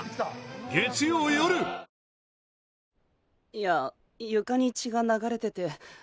いや床に血が流れてて。